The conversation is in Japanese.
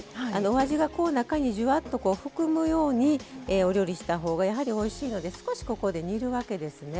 お味が中にじゅわっと含むようにお料理したほうがやはりおいしいので少しここで煮るわけですね。